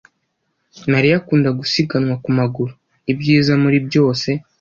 mariya akunda gusiganwa ku maguru ibyiza muri byose